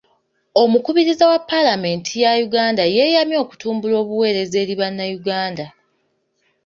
Omukubiriza wa paalamenti ya Uganda yeeyamye okutumbula obuweereza eri bannayuganda.